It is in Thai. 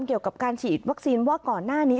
เกี่ยวกับการฉีดวัคซีนว่าก่อนหน้านี้